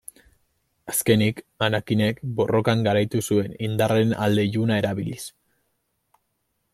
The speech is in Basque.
Azkenik Anakinek borrokan garaitu zuen indarraren alde iluna erabiliz.